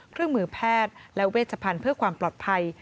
เครื่องมือแพทย์และเวชพันธุ์เพื่อความปลอดภัย